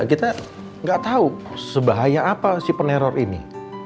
kita gak tau sebahaya apa si peneror ini